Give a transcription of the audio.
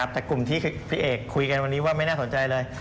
แต่กลุ่มที่พี่เอกคุยกันวันนี้ว่าไม่น่าสนใจเลย